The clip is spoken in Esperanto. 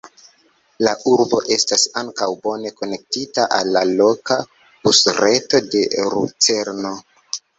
La urbo estas ankaŭ bone konektita al la loka busreto de Lucerno.